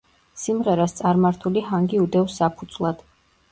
სიმღერას წარმართული ჰანგი უდევს საფუძვლად.